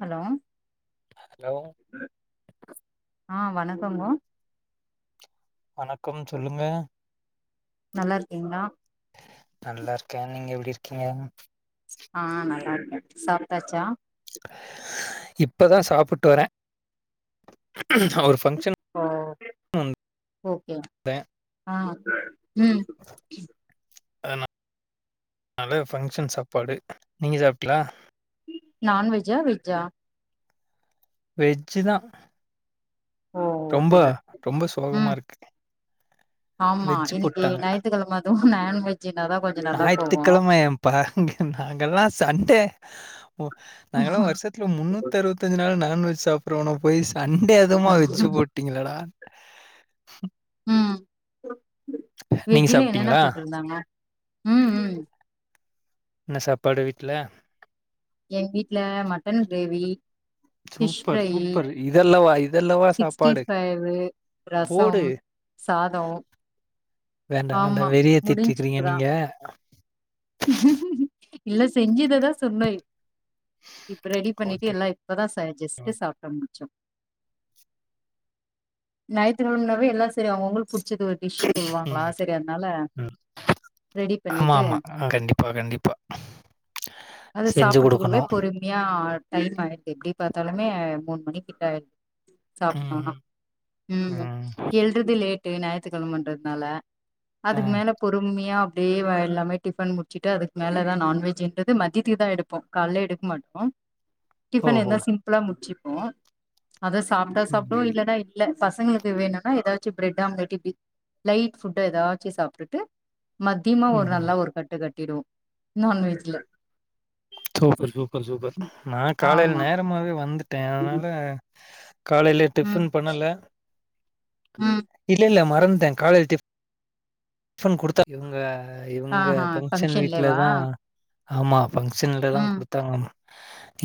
Hello hello ஆ வணக்கங்கோ வணக்கம் சொல்லுங்க நல்லாருக்கீங்ளா நல்லாருக்கே நீங்க எப்டி இருக்கீங்க ஆ நல்லாருக்கே சாப்ட்டாச்சா இப்பதா சாப்புட்டு வரே ஒரு பங்க்ஷன் ஓ ஓகே ஆ ம் அத னால ஃபங்க்ஷன் சாப்பாடு நீங்க சாப்டிங்ளா நான்வெஜ்ஜா வெஜ்ஜா வெஜ்ஜு தா ஓ ரொம்ப ஓகே ரொம்ப ம் சோகமாருக்கு ஆமா இன்னிக்கி ஞாய்த்துக்கெழம அதுவு நான்வெஜ்ஜுனாதா கொஞ்சொ நல்லா போகு பா ங்க நாங்கல்லா சண்டே ஒ நாங்கலா வருஷத் துல முன்னூத்து அறுவத்தஞ்சு நாள் நான்வெஜ் சாப்புடுறவன போயி சண்டே அதுவுமா வெஜ்ஜு போட்டீங்களேடா ம் நீங்க வெஜ்ஜுல என்னென்ன சாப்ட்டீங்களா போட்டிருந்தாங்க ம் ம் என்ன சாப்பாடு வீட்டுல எங் வீட்டு்ல mutton gravy fish super fry super இதல்லவா இதல்லவா சிக்ஸ்டி சாப்பாடு ஃபைவு போடு ரசம் சாதொ வேண்டா வேண்டா முடிஞ்ச்சு வெறியேத்திட்டுக்கிறீங்க இப்பதா நீங்க இல்ல செஞ்சத தா சொன்னொய் ப்ப ரெடி பண்ணிட்டு ஓகே எல்லா இப்பதா ச ஜஸ்ட் ஓகே சாப்ட்டு முடிச்சோ ஞாயித்து கெழமனாவே எல்லா செரி அவுங்கவுளுக்கு புடிச்சது டிஷ்ஷு ம் சொல்லுவாங்களா சரி அதானால ரெடி பண்ணிட்டு அ கண்டிப்ப கண்டிப்பா செஞ்சு குடுக்கணு மியா டைம் ஆயிடுது எப்டி பாத்தாலுமே மூன் மணிக்கிட்ட சாப் டொனா ம்ஹ்ம் ம் எழ்றதுலேட் டீ ஞாயத்துக்கிழம எண்றதுனால டு ஞாயித்து கெழமன்றத்னால ஆ அதுக்கு மேல பொறும்மியா அப்டே வாயெல்லாமே டிஃபன் முட் சிட்டு அதுக் மேல தா நான்வெஜ்ஜுன்றது மதியதுக் தா எடுப்போ கால்ல எடுக் மாட்டோ டிஃபன் ஓஹோ எதனா சிம்ப்ளா முட்ச்சுப்போம் அத சாப்ட்டா ம் சாப்டு இல்லனா இட் ல்ல பசங்களுக்கு வேணுன்னா எதாச்சு பிரெட் ஆம்லெட் இப்டி லைட் ஃபுட்டா எதாச்சு சாப்டுட்டு மத்தியமா ஒரு ம் நல்லா ஒரு கட்டு கட்டிடுவோ நான்வெஜ்ல சூப்பர் சூப்பர் சூப்பர் ம், நா காலைல் ஆமா நேரமாவே வந்துட்டே அதனால காலையிலெ ம் டிஃபன் பண்ணல ம் இல்ல இல்ல மறந்ட்டே காலைல் டிஃப ஃபன் குடுத்தா இவுங்க இவுங்க ஆஹா பங்க்ஷன் ஃபங்க்ஷன்லேவா வீட்லதா ஆமா ஃபங்க்ஷன்லதா ம் குடுத்தாங்க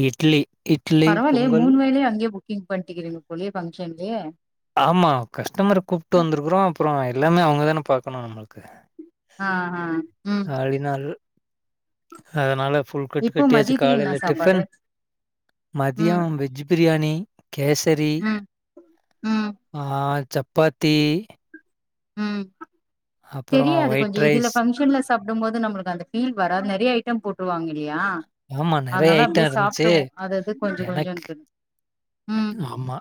இட்லி இட் பரவால்லயே மூனு வேலையு அங்கே புக்கிங் பண்ட்டுகிறீங்க போலே ஃபங்ஷன்லே ஆமா கஸ்டமர கூப்ட்டு வந்திருக்குறோ அப்பறோ எல்லாமே அவுங்கதான பாக்கணோ நம்மள்க்கு ஆஹ ம் அலி நாள் அதனால ஃபுல் கட்டு இப்போ கட்டியாச்சு மதியத்துக்கு என்ன காலைல சாப்பாடு டிஃபன் மதியொ ம் வெஜ் பிரியாணி கேசரி ம் ம் ஆ சப்பாத்தி ம் அப்புறம் தெரியாது கொஞ்சொ ஒயிட் இதுல ரைஸ். ஃபங்க்ஷன்ல சாப்டும் போது நம்மளுக்கு அந்த ஃபீல் வரா நெறைய ஐ ட்டம் போட்டுவாங் இல்லியா ஆமா நெறைய அதனால அப்டே ஐட்டம் இருந்துச்சு. சாப்டுவோ அது அது கொஞ்சொ கொஞ்சொன்ட்டு ஆம்மா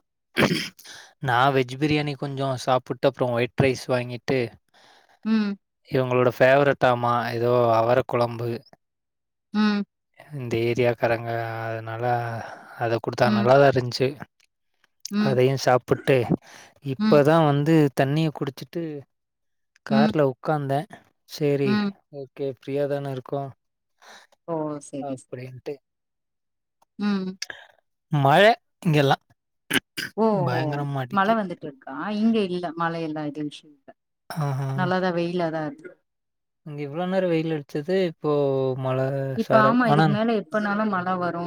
நா வெஜ் பிரியாணி கொஞ்சொ சாப்புட்டு அப்பறோ ஒயிட் ரைஸ் வாங்கிட்டு ம் இவங்களோட ஃபேவரெட்டாமா எதோ அவர கொழம்பு ம் இந்த ஏரியாக்காரங்க அதனால அத குடுத்தாங்க ம் நல்லா தா இருந்ச்சு ம் அதையு சாப்புட்டு ம் இப்பதா வந்து தண்ணிய குடிச்சுட்டு ம் கார்ல உக்காந்தே சேரி ம் ஓக்கே ஃபிரியா தான இருக்கோ ஓ சேரி சே அப்டின்ட்டு ம் மழை இங்கஎல்லா ஓ ஹோ மழை வந்துட்ருக்கா இங்க இல்ல மழைஎல்லா எதும் விஷய இல்ல ஆ நல்லாதா வெயிலாதா இங்க இவ்ளோ நேரோ வெயில் அடிச்சது இப்போ மழ இப்ப சாரல் ஆமா இதுக்கு மேல எப்பனாலு மழ வரு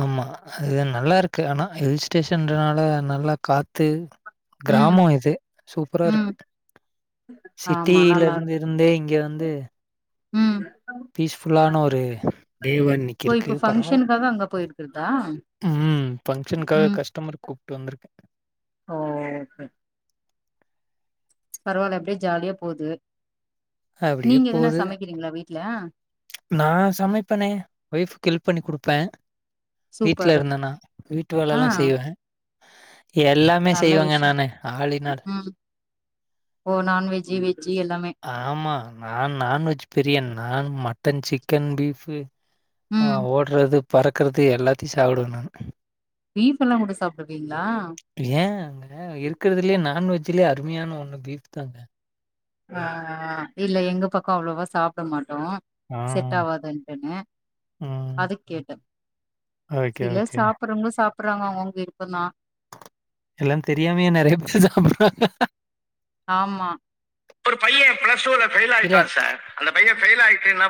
அமா அது நல்லா இருக்கு ஆனா ஹில் ஸ்டேஷன்றனால நல்லா காத்து ம் கிராமோ இது சூப்ரா ம் இருக்கு ஆமா சிட்டில நல்லா இருந்து இருக்கு இருந்தே இங்க வந்து ம் பீஸ்ஃபுல்லான ஒரு டே வா இன்னி ஓ இப்ப ஃபங்க்ஷனுக்காக அங்க போயிருக்கிறதா ம் ஃபங்க்ஷனுக்காக ம் கஸ்டமர் கூப்ட்டு வந்திருக்கே ஓ கே பரவால்ல அப்டியே ஜாலியா போது நீங்க எதுனா சமைக்கிறீங்ளா வீட்ல நா சமைப்பேனே ஒய்ஃபுக்கு ஹெல்ப் பண்ணி கொடுப்ப வீட்ல சூப்பரு இருந்தனா வீட்டு வேல ஆ எல்லா செய்வே எல்லாமே நல்ல செய்வேங்க விஷய நானு ஆளின்னால் ம் ஓ நான்வெஜி வெஜ்ஜி எல்லாமே ஆமா நா நான்வெஜ் பிரியன் நா மட்டன் சிக்கன் பீப்ஃபு ஆ ம் ஓடுறது பறக்குறது எல்லாத்தையு சாப்பிடுவ நானு பீப்ஃபு எல்லா கூட சாப்டுவீங்ளா ஏங்க இருக்கறதுலயே நான்வெஜ்லயே அருமையான ஒண்ணு பீஃப் தாங்க ஆ இல்ல எங்க பக்கோ அவ்ளோவா சாப்ட மாட்டோ ஆ செட் ஆவாதுன்ட்டுனு ம் அது கேட்ட ஓகே சிலர் ஓகே சாப் பறவங்க சாப்பறாங்க அவங்கவங் விருப்ப தா எல்லா தெரியாமையே நெறைய பேர் சாப்பறாங்க ஆமா என்ன இல்ல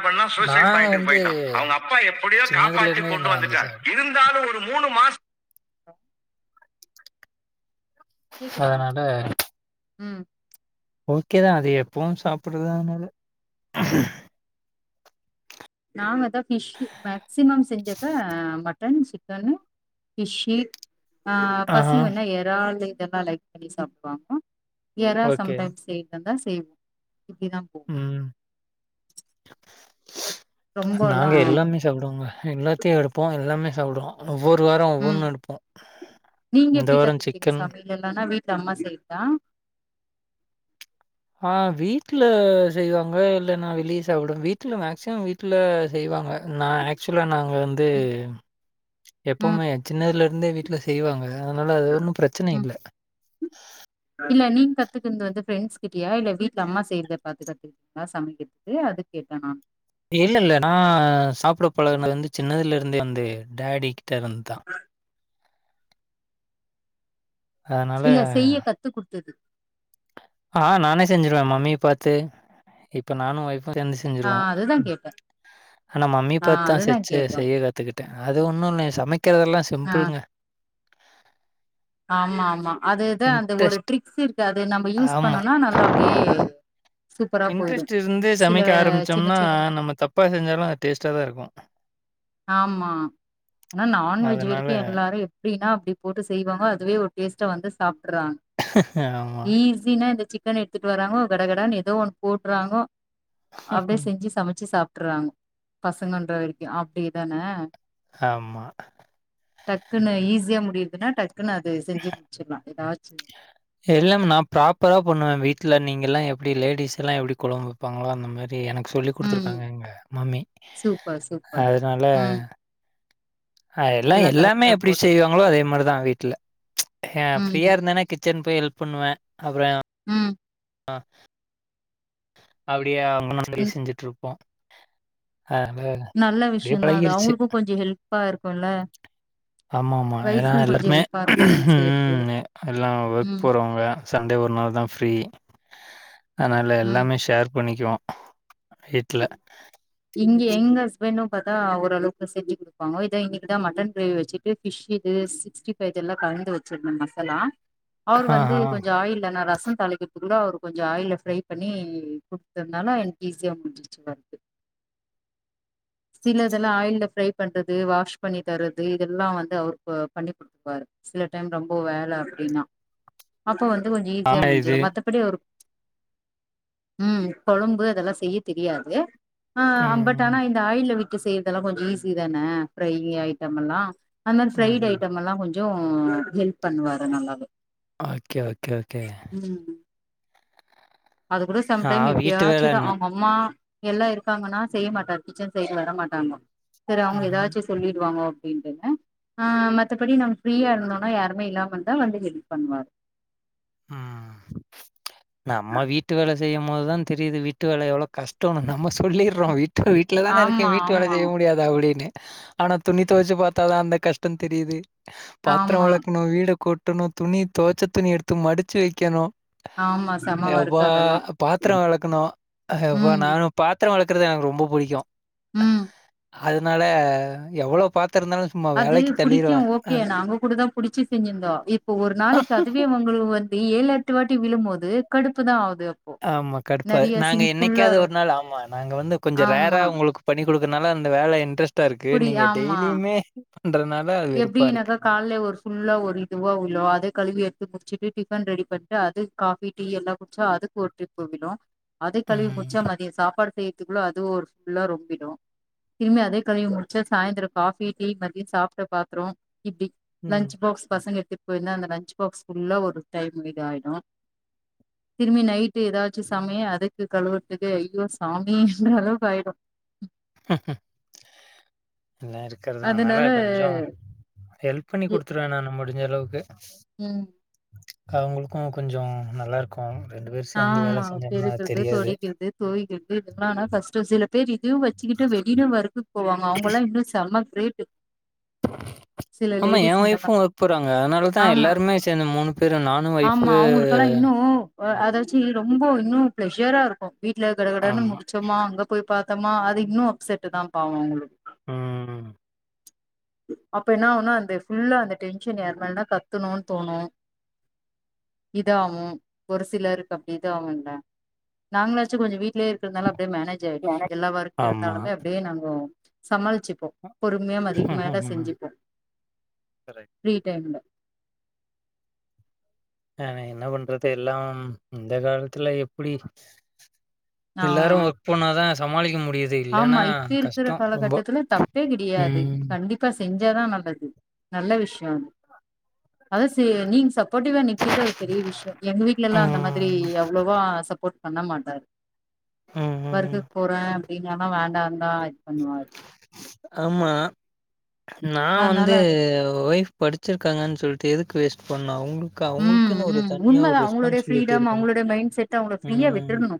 பண்ணா சூசைட் நாங்க பாயிண்ட்க்கு வந்து போயிட்டா அவங்க அப்பா எப்டியோ சின்னதுல காப்பாத்தி இருந்தே கொண்டு நான் அந்த வந்துட்டாரு சாப் இருந்தாலு ஒரு மூணு மாஸ் கேக்குதா அதனால ம் ஓகேதா அது எப்பவு சாப்படுறதனால ம் நாங்கதா ஃபிஷ்ஷூ மேக்சிமம் செஞ்சாக்க மட்டன் சிக்கன் ஃபிஷ்ஷி ஆ ஆஹா. பசங்க வேனா எறாளு இதெல்லா லைக் பண்ணி சாப்டுவாங்க எறா ஓகே. சம்டைம்ஸ் செய்றதாயிருந்தா செய்வோ இப்டிதா போவு ம் ரொம்பல்லா நாங்க எல்லாமே சாப்டுவோங்க எல்லாத்தியு எடுப்போ எல்லாமே சாப்டுவோ ஒவ்வொரு வார ம் ஒவ்வொன்னு எடுப்போ இந்த வார சிக்கன் இதெல்லமே வீட்ல அம்மா செய்தா ஆ வீட்ல செய்வாங்க இல்லன்னா வெளிய சாப்டுவ வீட்ல மேக்சிமம் வீட்ல செய்வாங்க நா ஆக்சுவலா நாங்க வந்து ம் ம் எப்பவுமே சின்னதுல இருந்தே வீட்ல செய்வாங்க அதனால அது ஒன்னும் பிரச்சன ம் இல்ல இல்ல நீங்கத்துக்குன்து வந்து ஃப்ரெண்ட்ஸ் கிட்டியா இல்ல வீட்ல அம்மா செய்றத பாத்துக்கத்து சமைக்கிறதுக்கு அது கேட்ட நானு இல்லல்ல நா சாப்பிட பலகுனது வந்து சின்னதுல இருந்து வந்து டேடி கிட்ட இருந்துதா அதனால இல்ல செய்ய கத்துகொடுத்தது ஆ நானே செஞ்சிருவ மம்மிய பாத்து இப்ப நானு ஒய்ப்பு சேந்து ஆ அதுதா கேட்ட ஆனா மம்மிய பாத் தா சிச்சர் செய்ய கத்துக்கிட்ட அது ஒன்னு இல்ல சமைக்கிறதெல்லா ஆ சிம்பிள்ங்க ஆமா ஆமா அதுதா அந்த ஒரு இன்ட்ரெஸ்ட் ட்ரிக்ஸ் இருக்கு அது நம்ப யூஸ் ஆமா. பண்ணோனா நல்லா அப்டியே சூப்பரா போயிடு இன்ட்ரெஸ்ட் இருந்து சில சமைக்க சின்ன ஆரம்பிச்சம்னா சின்ன நம்ம தப்பா செஞ்சாலு அது டேஸ்ட்டா தா இருக்கு ஆமா ஆனா நான்வெஜ் அதனால வரிக்கு எல்லாரு எப்டின்னா அப்டி போட்டு செய்வாங்க அதுவே ஒரு டேஸ்ட்டா வந்து சாப்ட்றாங்க ஆமா ஜீனா இந்த சிக்கன் எடுத்துட் வராங்கோ கடகடன்னு ஏதோ ஒன்னு போட்றாங்கோ அப்டியே செஞ்சி சமச்சி சாப்ட்றாங்க பசங்கன்ற வரிக்கு அப்டி தான ஆமா டக்குன்னு ஈஸியா முடியுர்துன்னா டக்குன்னு அது செஞ்சி முட்ச்சிர்லா ஏதாச்சி எல்லாம் நா ப்ராப்பரா பண்ணுவ வீட்ல நீங்க எல்லா எப்டி லேடிஸ்ல்லா எப்டி கொழம்பு வெப்பாங்களோ அந்த மாரி தே எனக்கு சொல்லி ம். குடுத்துருக்காங்க எங்க மம்மி சூப்பர், சூப்பர். அதனால ம். அ எல்லா எல்லாம் எல்லாமே கரெக்ட்டா எப்டி போட்டு செய்வாங்களோ அதே மாரி தா வீட்ல ஏ ம், ஃப்ரீயா ம், இருந்தனா கிச்சன் போய் ஹெல்ப் பண்ணுவ அப்றோ ம் அ அப்டியா முன்னொன் செஞ்சதையே ம். செஞ்சிட்ருப்போ ஆ அந்த நல்ல விஷ்யந்தா அது அவுங்களுக்கு கொஞ்ச ஹெல்ப்பா இருக்குல்ல ஆமாமா ஏனா எல்லாருக்குமே இருக்கும் நீங்க செய்றது. ம் எல்லா ஒர்க் ம், போறவங்க சண்டே ஒரு நாள் தா ஃப்ரீ அதனால ம். எல்லாமே ஷேர் பண்ணிக்குவோ வீட்ல இங்க எங்க ஹபெண்ட்டு பாத்தா ஓரளவுக்கு செஞ்சி குடு பாங்க இத இன்னைக்குதா மட்டன் கிரேவி வச்சிட்டு ஃபிஷ் இது சிக்டி ஃபைவ் இதெல்லா கலந்து வச்சிரனு மசாலா அவர் வந்து ஆஹா. கொஞ்சோ ஆயில்ல நா ரசம் தாளிக்க இருந்தா அவர் கொஞ்சோ ஆயில்ல ஃப்ரை பண்ணி குட்தத்னால எனக் ஈஸியா முடிஞ்சிர்ச்சி ஒர்க்கு சிலதெல்லா ஆயில்ல ஃப்ரை பண்றது வாஷ் பண்ணி தர்ரது இதெல்லா வந்து அவரு போ பண்ணிக் குடுப் பாரு சில டைம் ரொம்ப வேல அப்டின்னா அப்ப வந்து கொஞ்சோ ஈஸியா ஆமா இது. முடிஞ்சிரு மத்தபடி அவரு ம் கொழம்பு அதெல்லா செய்ய தெரியாது ஆ ஆ ஃபட் ம். ஆனா இந்த ஆயில்ல விட்டு செய்யறதெல்லா கொஞ்சோ ஈஸி தான ஃப்ரை ஐட்டமெல்லா அந் மாரி ஃப்ரைட் ம்ஹ்ம். ஐட்டம் எல்லா கொஞ்சோ ஹெல்ப் பண்ணுவாரு நல்லாவே ஓகே ஓகே ஓகே ம் அது கூட சம் ஆ டைம் வீட்டு எப்பயாச்சுதா வேலைன்னா. அவுங்க அம் மா எல்லா இருக்காங்கன்னா செய்ய மாட்டார் கிச்சன் சைடு வர மாட்டாங்கோ கிற அவுங்கோ ம்ஹ்ம். ஏதாச்சி சொல்லிட் வாங்கோ அப்டின்ட்டு ஆ மத்தபடி நம் ஃப்ரீயா இருந்தோனா யாருமே இல்லாமந்தா வந்து ஹெல்ப் பண்வார் ம் நம்ம வீட்டு வேல செய்யு மோதுதா தெரியுது வீட்டு வேல எவ்ளோ கஷ்டோ நம்ம சொல்லிறோ வீட்டு வீட் ல தான இருக்க ஆமா வீட்டு வேல ஆமா செய்ய முடியாதா அப்டினு ஆனா துணி தொவச்சி பாத்தாதா அந்த கஷ்டோ தெரியிது பாத்ர ஆமா வெளக்கணு வீட கூட்டணு துணி தொவச்ச துணி எடுத்து மடிச்சி வெக்கணு ஆமா செம யப்பா ஒர்க்கு அதெல்லா பாத்ர வெளக்கணு யப்பா ம் நானு பாத்ர வெளக்கறது எனக் ரொம்ப புடிக்கு ம் அதனால எவ்ளோ பாத்ரருந்தாலு அது புடிக்கு ஓகே நாங்க கூட தா புடிச்சி செஞ்சிருந்தோ இப்ப ஒரு நாளைக்கு அதுவே உங்களு க்கு வந்து ஏழு எட்டு வாட்டி விழும்போது கடுப்பு தா ஆகுது ஆமா கடுப்பாது நாங்க என்னைக்காத ஒரு நாள் ஆமா நாங்க வந்து கொஞ்சோ ஆமா ரேரா உங்களுக்கு பண்ணி குடுக்கறனால அந்த வேலை இன்ட்ரெஸ்டா இருக்கு புடி நீங்க டெய்லியுமே பண்றனால அது வெறுப்பா இருக்கு. எப்டினாக்க கால்லே ஒரு ஃபுல்லா ஒரு இதுவா உளு அதே கழுவி எடுத்து முடிச்சுட்டு டிபன் ரெடி பண்ணிட்டு அது காஃபி டீ எல்லா குடிச்சா அதுக்கு ஒரு டரிப்பு விழு அது கழுவி ம். முடிச்சா மதியோ சாப்பாடு செய்ய துக்குல அது ஒரு ஃபுல்லா ரொம்பிடு திரும்ப அதே கழுவி முடிச்ச சாயந்திரோ காஃபி மத்திய சாப் பாடு பாத்தோரோ இப்டி ம். லஞச் பாக்ஸ் பசங்க எடுத்துட் போயிருந்தா அந்த லன்ஞ்ச் பாக்ஸ் ஃபுல்லா ஒரு டைம் இது ஆயிடு திரும்பி நைட்டு ஏதாச்சு சமைய் அதுக்கு கழுவருதுக்கே ஐயோ சாமின்றலவுக்கு ஆயிடு எல்லா இருக்கிறத அதனால கொஞ்சோ ஹெல்ப் பண்ணி குடுத்துருவே நானு முடிஞ்ச அளவுக்கு ம் அவுங்களுக்கு கொஞ்சோ நல்லா இருக்கு ரெண்டு பேரும் சேந்து வேல செஞ்சம்னா அது தெரியாது தொய்கறது இதெல்லானா கஸ்ட சில பேர் இதுவு வச் சிக்கட்டு வெளியில வொர்க்கு போவாங்க அவங்கல்லா இன்னு செம கிரேட்டு் ஆமா ஏ ஒய்ஃபு ஒர்க் போறாங்க அதனாலதா ஆமா எல்லாருமே சேந்து மூணு பேரு நானு ஒய்ஃபு ஆமா அவங்களுக்கெல்லா இன்னு அ அதாச்சு ரொம்ப இன்னு ப்ளஷரா இருக்கு வீட்டுல கட கடானு ஆமா. முடிச் சோமா அங்க போய் பாத்தோமா அது இன்னு அப்செட் தா பாவோ அவுங்களுக்கு ம் அப்ப என்ன ஆகுனா அந்த ஃபுல்லா அந்த டென்ஷன் யார்மேல்னா கத்துணுனு தோணு இதாகு ஒரு சிலர் அப்டிதா ஆகுல்ல நாங்களாச்சு கொஞ்சோ வீடிலயே இருக்கறனால அப்டியே மேனேஜ் ஜெ எனக்கு எல்லா வொர்க்கு ஆமா. இருந்தாலுமே அப்டியே நாங்கோ சமாளிச்சுப்போ பொறுமையா மதிக மேல செஞ்சுப்போ கரெக்ட். ஃப்ரீ டைம்ல ஆ என்ன பண்றது எல்லா இந்த காலத்துல எப்டி ஆ எல்லாரு ஒர்க் போனாதா சமாளிக்க முடியுது ஆமா இல்லன்னா இப்ப இருக்கிற கஷ்டம் ரொம்ப. காலகட்டத்துல தப்பே கிடையாது ம். கண்டிப் பா செஞ்சாதா நல்லது நல்ல விஷயோ அது அத ச நீங் சப்போடிவ்வா நிக்கிறது அது பெரிய விஷயோ எங் வீட்லலா அந்த மாதிரி ம். அவ்ளோவா சப்போர்ட் பண்ண மாட்டாரு ம். ம். ஒர்க்குக் போறே அப்டிந்தன வேண்டாந்தா இது பண்ணுவாரு ஆமா நா அதனால வந்து அது ஒய்ஃப் படிச்சிருக்காங்கன் சொல்ட்டு எதுக்கு வேஸ்ட் பண்ணா அவுங் க ம் அவுங்களுக்குன்னு ஒரு ம் தனியா ஒரு உண்மதா அவங்களுடைய ரெஸ்பான்சிபிலிட்டி ஃப்ரீடம் இருக்கணு அவங்களுடைய மைண்ட் செட் அவங்கள ஃப்ரீயா ம் விட்டுர்ணு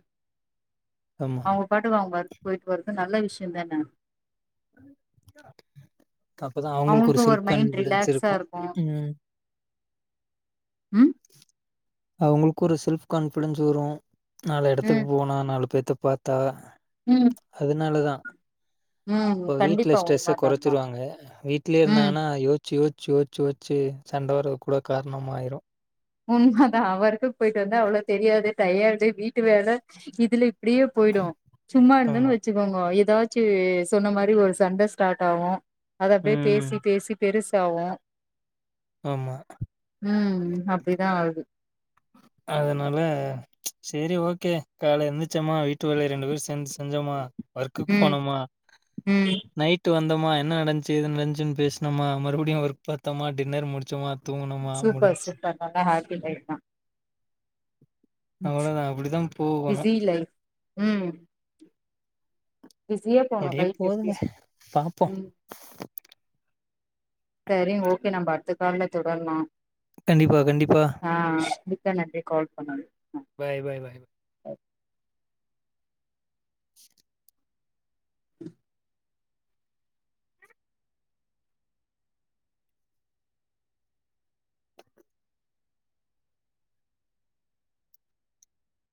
ஆமா அவங்க பாட்கு அவங் ஒர்க் போயிட்டு வர்றது நல்ல விஷயோ தான அப்பதான் அவங்களுக்கு அவ்ங்களுக்கு ஒரு செல்ஃப் மைண்ட் கான்ஃபிடன்ஸ் ரிலாக்ஸா இருக்கும். இருக்கு ம். ம் அவ்ங்களுக்கு ஒரு செல்ஃப் கான்பிடன்ஸ் வரு நாலு எடத்துக்கு ம் போனா நாலு பேத்த பாத் தா ம் அதுனாலதா ம் இப்ப வீடல கண்டிப்பா உண்ம ஸ்டெஸ்ஸ அதெல்லா கொறச்ருவாங்க வீடலயே ம் இருந்தாங்கனா யோ யோச்சு யோச்சு யோச்சு யோச்சு சண்ட வரது கூட காரணமாயிரு உண்மதா ஒர்குக் போயிட்டு வந்தா அவ்ளோ தெரியாது டயர்ட்டு வீட்டு வேல இதுல இப்டியே போயிடு சும்மா இருந்தோனு ஆமா. வெச்சுக்கோங்கோ ஏதாச்சு சொன்ன மாரி ஒரு சண்ட ஸ்டாட் ஆவு அது அப்டியே ம். பேசி பேசி பெருசாவு ஆமா ம் அப்டிதா ஆகுது அதனால செரி ஓகே கால்ல எந்துச்சேம்மா வீட்டு வேலய ரெண்டு பேரு சேந்து செஞ்சோமா ஒர்க்குக் ம் போனோமா ம் நைட் ட்டு வந்தோம்மா என்ன நடந்துச்சு எது நடந்துச்சன்னு பேசுனோமா மறுபடியு ஒர்க் பாத்தோமா டின்னர் முடிச்சோமா தூங்குனோமா சூப்பர் முடிஞ்ச்சு சூப்பர் நல்லா ஹாப்பி லைஃப் தா அவ்ளோதா அப்டிதா போகணு பிஸி லைஃப் ம் பிஸியோ இப்ப உங்க அப்டியே வைஃப் எப்டி போதுங்க பாப்போ ம் செரி ஓகே நம்ப அடுத்த கால்ல தொடர்லா கண்டிப்பா கண்டிப்பா ஆ மிக்க நன்றி கால் பண்ணது பாய் பாய் பாய் [unintelligible] [unintelligible]